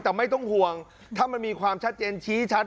แต่ไม่ต้องห่วงถ้ามันมีความชัดเจนชี้ชัด